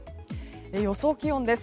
予想気温です。